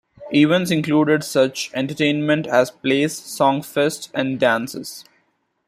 Events included such entertainment as plays, songfests, and dances.